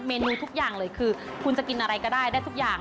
นูทุกอย่างเลยคือคุณจะกินอะไรก็ได้ได้ทุกอย่าง